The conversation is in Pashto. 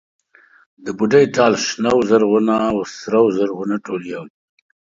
د بوډۍ ټال، شنه و زرغونه او سره و زرغونه ټول يو دي.